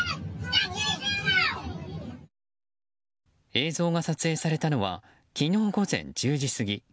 映像が撮影されたのは昨日午前１０時過ぎ。